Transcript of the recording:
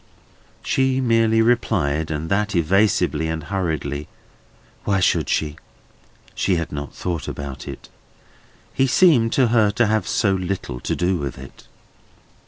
She merely replied, and that evasively and hurriedly: Why should she? She had not thought about it. He seemed, to her, to have so little to do with it.